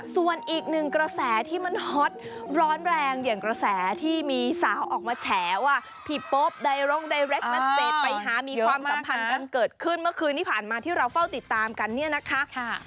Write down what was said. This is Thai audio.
ส่วนอีกหนึ่งกระแสที่มันฮอตร้อนแรงอย่างกระแสที่มีสาวออกมาแฉว่าพี่โป๊ปไดรงไดเรคนัทเศษไปหามีความสัมพันธ์กันเกิดขึ้นเมื่อคืนที่ผ่านมาที่เราเฝ้าติดตามกันเนี่ยนะคะ